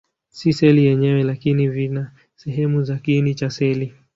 Si seli yenyewe, lakini vina sehemu za kiini cha seli.